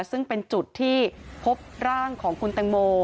ซึ่งเป็นจุดที่พบร่างของคุณแตงโม